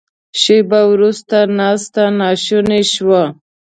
شیبه وروسته ناسته ناشونې شوه.